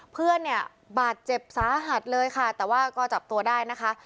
เพื่อนเนี่ยบาดเจ็บสาหัสเลยค่ะแต่ว่าก็จับตัวได้นะคะ